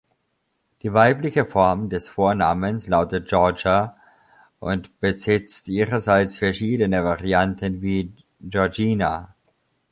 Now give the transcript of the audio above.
Die weibliche Form des Vornamens lautet Georgia und besitzt ihrerseits verschiedene Varianten wie Georgina.